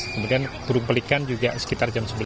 kemudian turun pelikan juga sekitar jam sebelas